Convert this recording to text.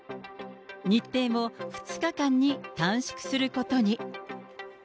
日程も２日間に短縮することに。